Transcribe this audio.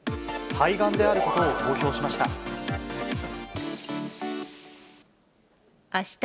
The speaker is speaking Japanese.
肺がんであることを公表しました。